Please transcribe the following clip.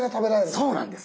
そうなんです！